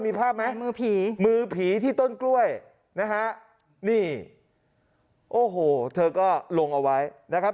มีภาพไหมมือผีมือผีที่ต้นกล้วยนะฮะนี่โอ้โหเธอก็ลงเอาไว้นะครับ